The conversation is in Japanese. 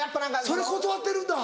それ断ってるんだ。